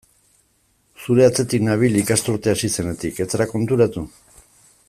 Zure atzetik nabil ikasturtea hasi zenetik, ez zara konturatu?